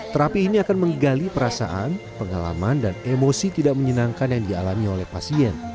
terapi ini akan menggali perasaan pengalaman dan emosi tidak menyenangkan yang dialami oleh pasien